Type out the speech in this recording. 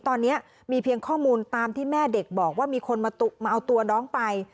ตอนนี้มีเพียงข้อมูลตามที่แม่เด็กบอกว่ามีคนมาเอาตัวน้องไป